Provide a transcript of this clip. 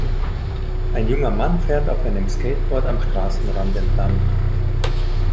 ein junger Mann fährt auf einem Skateboard am Straßenrand entlang.